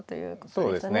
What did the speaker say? そうですね。